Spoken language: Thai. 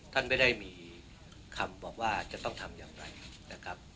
ท่านไม่ได้มีคำบอกว่าจะต้องทำอย่างไรนะครับ